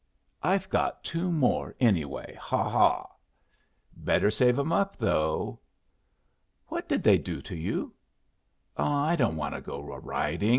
"I've got two more, anyway. Ha ha!" "Better save 'em up, though." "What did they do to you? Ah, I don't want to go a riding.